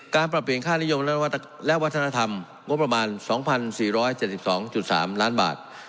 ปรับเปลี่ยนค่านิยมและวัฒนธรรมงบประมาณ๒๔๗๒๓ล้านบาท